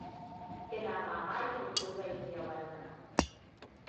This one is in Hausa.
Ina mamakin ko zan iya wannan.